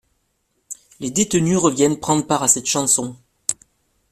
Les détenus reviennent prendre part à cette chanson.